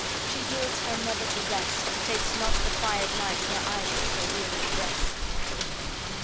She yields her never to rest, Takes not the quiet night to her eyelids or wearied breast.